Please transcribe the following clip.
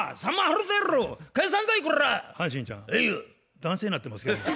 男性なってますけども。